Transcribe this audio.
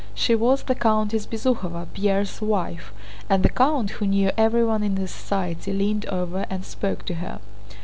She was the Countess Bezúkhova, Pierre's wife, and the count, who knew everyone in society, leaned over and spoke to her.